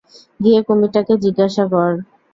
গিয়ে কুমিরটাকে জিজ্ঞাসা কর।